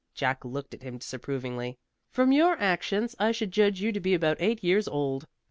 Jack looked at him disapprovingly. "From your actions I should judge you to be about eight years old."